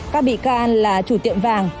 các bị can là chủ tiệm vàng